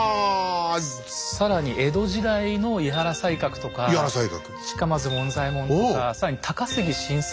更に江戸時代の井原西鶴とか近松門左衛門とか更に高杉晋作